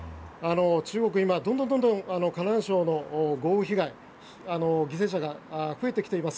中国、今、どんどん河南省の豪雨被害犠牲者が増えてきています。